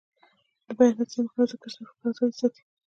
د بیان ازادي مهمه ده ځکه چې د فکر ازادي ساتي.